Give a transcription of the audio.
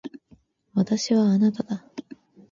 私はあなただ。